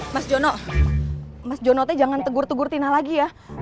mas jono mas jono jangan tegur tegur tina lagi ya